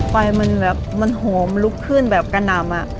ไฟมันแบบมันโหมลุกขึ้นแบบกระหน่ำ